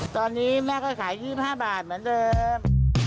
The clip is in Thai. ตอนนี้แม่ก็ขาย๒๕บาทเหมือนเดิม